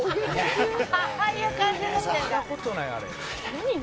「ああいう感じになってるんだ」